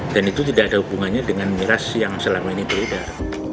dan itu tidak ada hubungannya dengan miras yang selama ini peredar